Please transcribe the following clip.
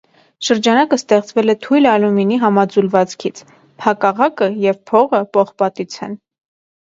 Շրջանակը ստեղծվել է թույլ ալյումինի համաձուլվածքից, փակաղակը և փողը՝ պողպատից են։